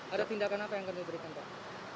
ada tindakan apa yang akan diberikan pak